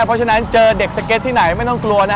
เพราะฉะนั้นเจอเด็กสเก็ตที่ไหนไม่ต้องกลัวนะ